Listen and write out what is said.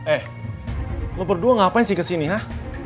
eh lo berdua ngapain sih kesini hah